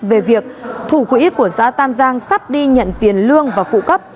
về việc thủ quỹ của xã tam giang sắp đi nhận tiền lương và phụ cấp